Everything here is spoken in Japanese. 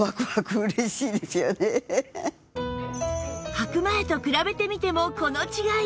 はく前と比べてみてもこの違い！